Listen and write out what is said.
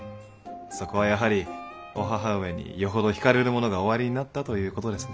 そこはやはりお母上によほど惹かれるものがおありになったということですね。